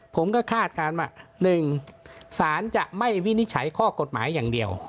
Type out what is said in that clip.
คาดการณ์ว่า๑สารจะไม่วินิจฉัยข้อกฎหมายอย่างเดียว